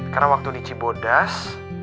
karena waktu di cibodas